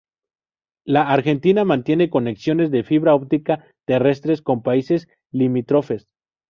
La Argentina mantiene conexiones de fibra óptica terrestres con países limítrofes.